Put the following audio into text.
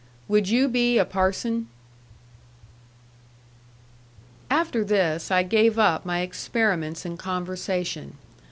"WOULD YOU BE A PARSON?" After this I gave up my experiments in conversation.